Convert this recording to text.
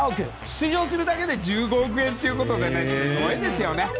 出場するだけで１５億円ということですごいですよね。